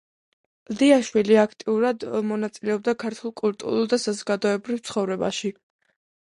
კლდიაშვილი აქტიურად მონაწილეობდა ქართულ კულტურულ და საზოგადოებრივ ცხოვრებაში.